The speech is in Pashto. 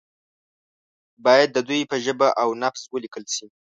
باید د دوی په ژبه او نبض ولیکل شي.